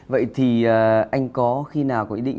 vậy thì anh có khi nào có ý định